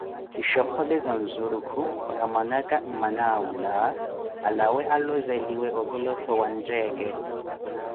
Kinshokoleza nzurukhu para mwanaka amana awula, alawe alozeliwe opilottho wa ntteeke.